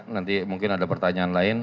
nanti mungkin ada pertanyaan lain